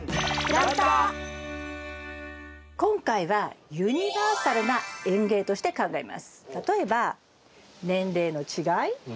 今回はユニバーサルな園芸として考えます。